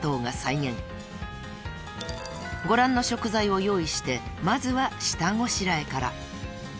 ［ご覧の食材を用意してまずは下ごしらえから］